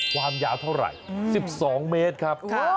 ความยาวเท่าไหร่๑๒เมตรครับ